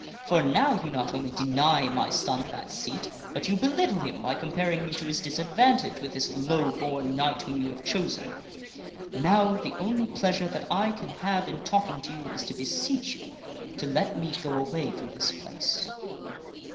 For now you not only deny my son that seat, but you belittle him by com paring him to his disadvantage with this low born knight whom you have chosen. Now, the only pleasure that I can have in talking to you is to beseech you to let me go away from this place."